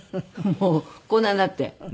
もうこんなになって。